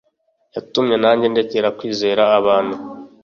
Yatumye nanjye ndekera kwizera abantu